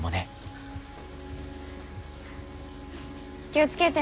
気を付けて。